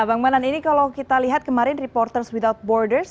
bang manan ini kalau kita lihat kemarin reporters without borders